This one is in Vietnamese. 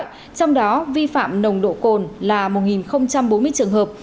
trong đó vi phạm nồng độ cồn là một bốn mươi trường hợp